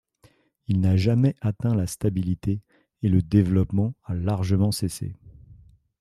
Il n'a jamais atteint la stabilité et le développement a largement cessé.